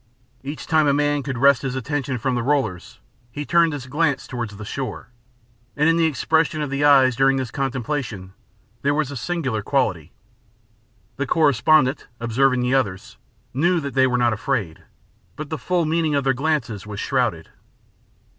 Each time a man could wrest his attention from the rollers, he turned his glance toward the shore, and in the expression of the eyes during this contemplation there was a singular quality. The correspondent, observing the others, knew that they were not afraid, but the full meaning of their glances was shrouded.